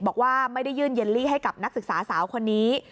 บอกว่าไม่ได้ยื่นเยลลี่ให้กับนักศึกษาสาวคนนี้